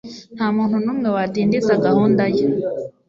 Nta muntu n'umwe wadindiza gahunda ye.”